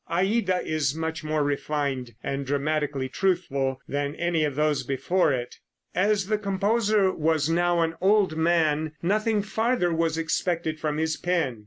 "Aida" is much more refined and dramatically truthful than any of those before it. As the composer was now an old man nothing farther was expected from his pen.